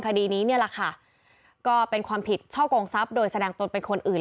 คดีนี้เนี่ยแหละค่ะก็เป็นความผิดช่อกงทรัพย์โดยแสดงตนเป็นคนอื่น